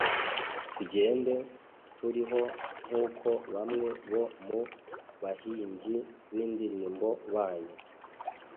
tugenda, turiho; nk’uko bamwe bo mu bahimbyi b’indirimbo banyu